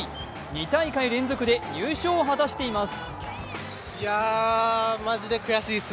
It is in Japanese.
２大会連続で入賞を果たしています。